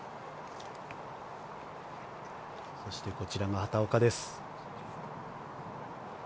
そしてこちらが畑岡です。